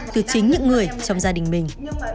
từ chính những người trong gia đình mình